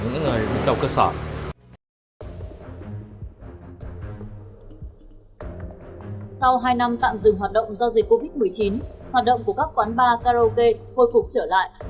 sau hai năm tạm dừng hoạt động do dịch covid một mươi chín hoạt động của các quán bar karaoke khôi phục trở lại